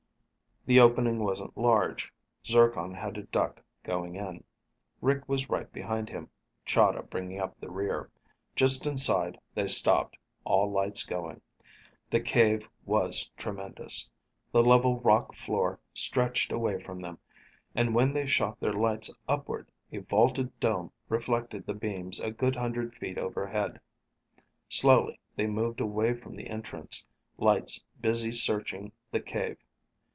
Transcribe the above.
The opening wasn't large. Zircon had to duck going in. Rick was right behind him, Chahda bringing up the rear. Just inside, they stopped, all lights going. The cave was tremendous. The level rock floor stretched away from them, and when they shot their lights upward, a vaulted dome reflected the beams a good hundred feet overhead. Slowly they moved away from the entrance, lights busy searching the cave.